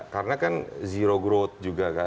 karena kan zero growth juga kan